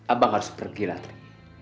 abang harus pergi lasri